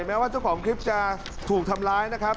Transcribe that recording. แม้ว่าเจ้าของคลิปจะถูกทำร้ายนะครับ